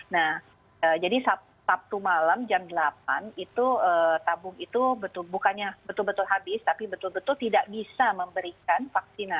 nah jadi sabtu malam jam delapan itu tabung itu bukannya betul betul habis tapi betul betul tidak bisa memberikan vaksinasi